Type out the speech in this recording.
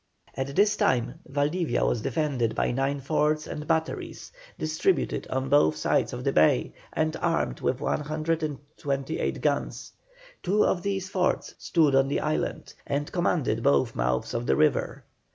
At this time Valdivia was defended by nine forts and batteries, distributed on both sides of the bay, and armed with 128 guns. Two of these forts stood on the islands, and commanded both mouths of the river.